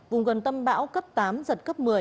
vùng gần tâm bão cấp tám giật cấp một mươi